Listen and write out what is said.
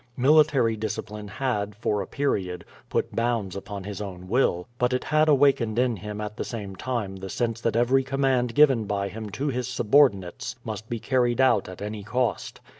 Military discipline had, for a period, put bounds upon his own will, but it had awakened in him at the same time the sense that every command given by him to his subordinates must be carried out at any cost.